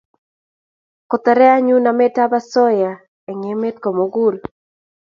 Kotorei anyun nametab osoya eng emet komugul